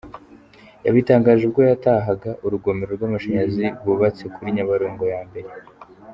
Yabitangaje ubwo yatahaga urugomero rw’amashanyarazi rwubatse kuri Nyabarongo ya I.